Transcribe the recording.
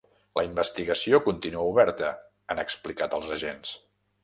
La investigació continua oberta, han explicat els agents.